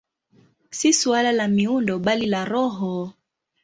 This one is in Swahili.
Si suala la miundo, bali la roho.